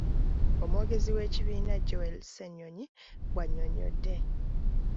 Omwogezi w’ekibiina Joel Ssennyonyi bw’annyonnyodde.